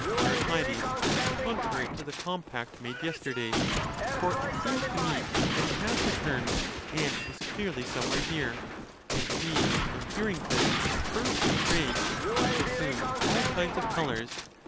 to Heracleides, contrary to the compact made yesterday ; for it seems to me, that he has returned and is clearly some where here. And he, on hearing this, burnt with rage, and Zassumed all kinds of colours?